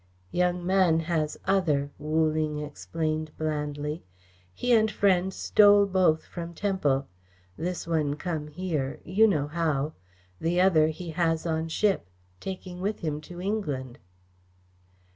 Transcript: "Young man has other," Wu Ling explained blandly. "He and friend stole both from temple. This one come here you know how. The other he has on ship, taking with him to England."